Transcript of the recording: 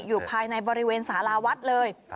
อยู่ภายในบริเวณสาราวัดเลย